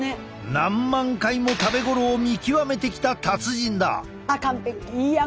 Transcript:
何万回も食べ頃を見極めてきた達人だ！